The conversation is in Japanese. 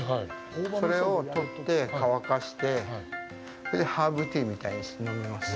それをとって乾かしてハーブティーみたいにして飲みます。